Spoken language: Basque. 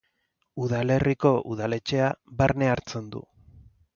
Udalerriko udaletxea barne hartzen du.